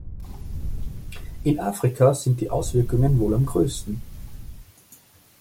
In Afrika sind die Auswirkungen wohl am größten.